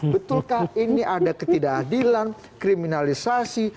betulkah ini ada ketidakadilan kriminalisasi